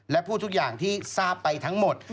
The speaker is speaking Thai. และพูดทุกอย่างที่ทราบไปทั้งหมด